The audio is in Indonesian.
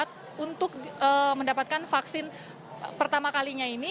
kita harus cukup sehat untuk mendapatkan vaksin pertama kalinya ini